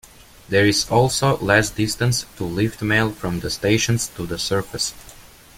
There is also less distance to lift mail from the stations to the surface.